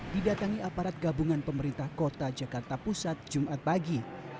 didatangi aparat gabungan pemerintah kota jakarta pusat jumat pagi